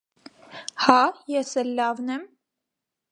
- Հաա՞, ե՞ս էլ լավն եմ: